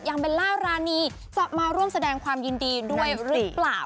เบลล่ารานีจะมาร่วมแสดงความยินดีด้วยหรือเปล่า